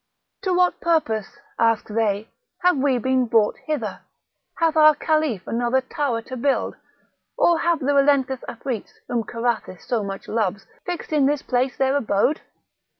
"To what purpose," asked they, "have we been brought hither? Hath our Caliph another tower to build? or have the relentless Afrits, whom Carathis so much loves, fixed in this place their abode?"